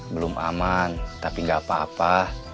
belum aman tapi nggak apa apa